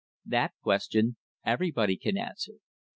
That question everyone can answer.